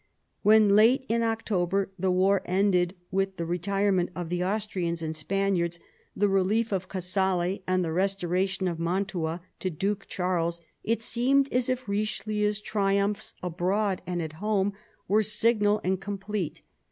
When, late in October, the war ended with the retire ment of the Austrians and Spaniards, the rehef of Casale, and the restoration of Mantua to Duke Charles, it seemed as if Richelieu's triumphs abroad and at home were signal and complete.